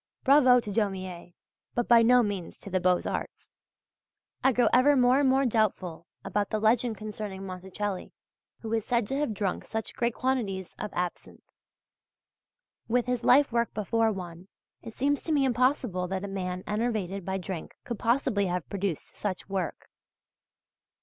Bravo to Daumier, but by no means to the Beaux Arts! I grow ever more and more doubtful about the legend concerning Monticelli, who is said to have drunk such great quantities of absinthe. With his life work before one, it seems to me impossible that a man enervated by drink could possibly have produced such work.